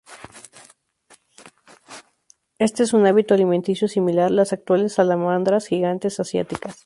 Este es un hábito alimenticio similar las actuales salamandras gigantes asiáticas.